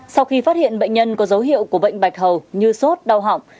sau khi phát hiện bệnh nhân có dấu hiệu của bệnh bạch hầu như sốt đau họng